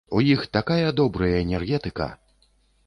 У іх такая добрая энергетыка!